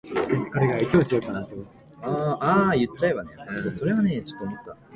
宮城県丸森町